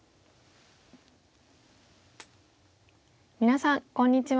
皆さんこんにちは。